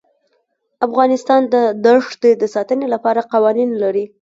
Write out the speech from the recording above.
افغانستان د دښتې د ساتنې لپاره قوانین لري.